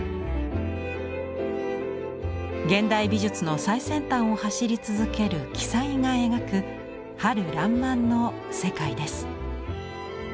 現代美術の最先端を走り続ける鬼才が描く春らんまんの世界です。